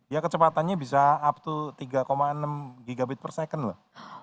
ya kecepatannya bisa up to tiga enam gbps loh